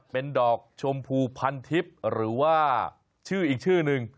เป็นดอกชมพูพันทิพย์หรือว่าชื่ออีกชื่อนึง